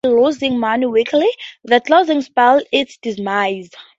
"Temperley" was already losing money weekly; the closing spelled its demise.